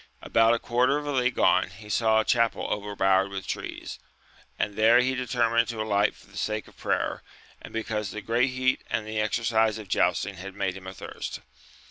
About a quarter of a league on, he saw a chapel overbowered with trees, and there he determined to alight for the sake of prayer, and because the great heat and the exercise of jousting had made him athirst.